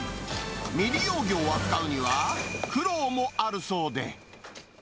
未利用魚を扱うには苦労もあるそうで。